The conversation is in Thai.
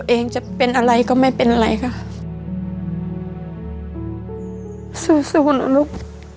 เวลายายมีความสุข